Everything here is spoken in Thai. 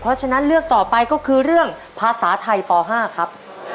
เพราะฉะนั้นเลือกต่อไปก็คือเรื่องภาษาไทยป๕ครับ